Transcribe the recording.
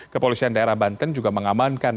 kepolisian daerah banten juga mengamankan